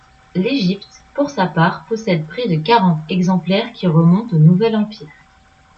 L'Égypte, pour sa part, possède près de quarante exemplaires qui remontent au Nouvel Empire.